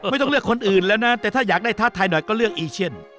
ไม่ต้องเลือกคนอื่นแล้วนะแต่ถ้าอยากได้ท้าทายหน่อยก็เลือกอีเชียน